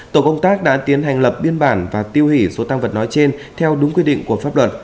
tổ công tác đã tiến hành lập biên bản và tiêu hủy số tăng vật nói trên theo đúng quy định của pháp luật